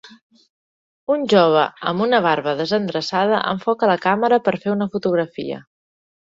Un jove amb una barba desendreçada enfoca la càmera per fer una fotografia.